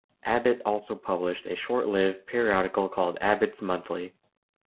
Abbott also published a short-lived periodical called "Abbott's Monthly".